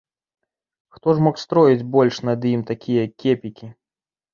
Хто ж мог строіць больш над ім такія кепікі?